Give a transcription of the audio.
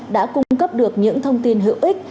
đã cung cấp được những thông tin hữu ích